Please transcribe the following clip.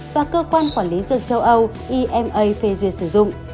và cơ quan quản lý dược châu âu ima phê duyệt sử dụng